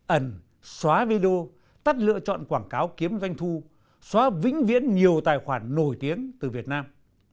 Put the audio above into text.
ẩn xóa video tắt lựa chọn quảng cáo kiếm doanh thu xóa vĩnh viễn nhiều tài khoản nổi tiếng từ việt nam